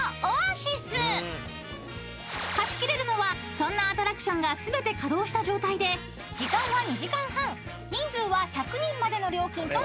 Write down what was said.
［貸し切れるのはそんなアトラクションが全て稼働した状態で時間は２時間半人数は１００人までの料金となります］